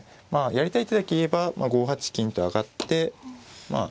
やりたい手だけ言えば５八金と上がってまあ